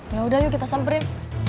yaudah yuk kita samperin